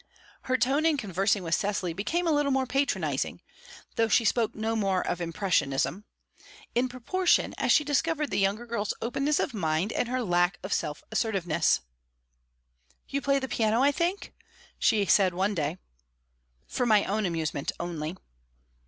Her tone in conversing with Cecily became a little more patronizing, though she spoke no more of impressionism, in proportion as she discovered the younger girl's openness of mind and her lack of self assertiveness. "You play the piano, I think?" she said one day. "For my own amusement only."